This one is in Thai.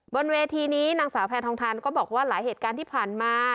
บนเวทีนี้นางสาวแพทองทานก็บอกว่าหลายเหตุการณ์ที่ผ่านมา